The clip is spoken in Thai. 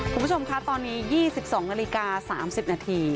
คุณผู้ชมค่ะตอนนี้ยี่สิบสองนาฬิกาสามสิบนาที